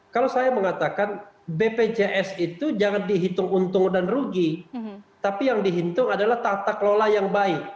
kalau saya mengatakan bpjs itu jangan dihitung untung dan rugi tapi yang dihitung adalah tata kelola yang baik